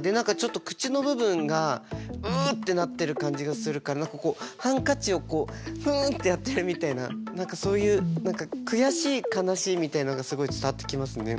で何かちょっと口の部分がうってなってる感じがするからハンカチをふんってやってるみたいなそういう悔しい悲しいみたいなのがすごい伝わってきますね。